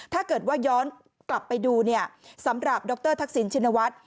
ถ้าเกิดว่าย้อนกลับไปดูเนี่ยสำหรับดรทักษิณชินวัฒน์